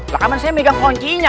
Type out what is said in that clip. kenapa saya megang kuncinya